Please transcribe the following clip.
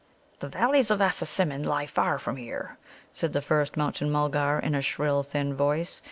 "The Valleys of Assasimmon lie far from here," said the first Mountain mulgar in a shrill, thin voice.